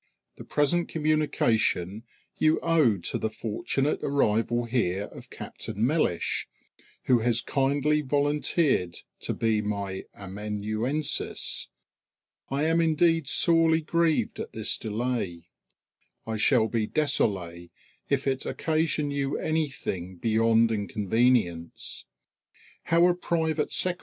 The present communication you owe to the fortunate arrival here of Captain Mellish, who has kindly volunteered to be my amanuensis. I am indeed sorely grieved at this delay. I shall be désolé if it occasion you anything beyond inconvenience. How a private sec.